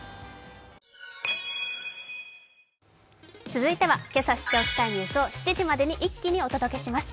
続いては今朝知っておきたいニュースを７時までに一気にお届けします